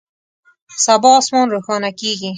سبا اسمان روښانه کیږي